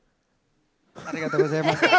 ありがとうございます。